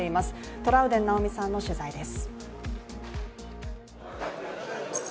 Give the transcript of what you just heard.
トラウデン直美さんの取材です。